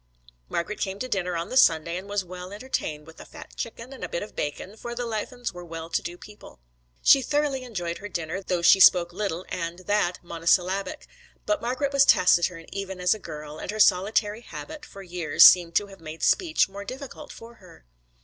Margret came to dinner on the Sunday, and was well entertained with a fat chicken and a bit of bacon, for the Laffans were well to do people. She thoroughly enjoyed her dinner, though she spoke little and that little monosyllabic; but Margret was taciturn even as a girl, and her solitary habit for years seemed to have made speech more difficult for her.